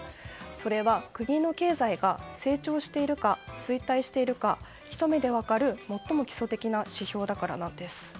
それは国の経済が成長しているか衰退しているのかひと目で分かる最も基礎的な指標だからなんです。